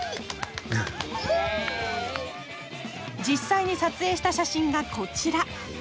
実際に撮影した写真がこちら。